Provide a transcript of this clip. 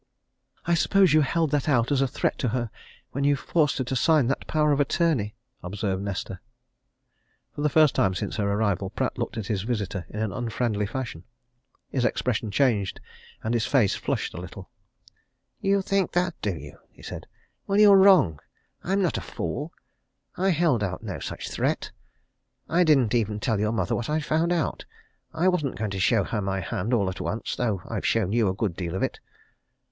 "I suppose you held that out as a threat to her when you forced her to sign that power of attorney?" observed Nesta. For the first time since her arrival Pratt looked at his visitor in an unfriendly fashion. His expression changed and his face flushed a little. "You think that, do you?" he said. "Well, you're wrong. I'm not a fool. I held out no such threat. I didn't even tell your mother what I'd found out. I wasn't going to show her my hand all at once though I've shown you a good deal of it."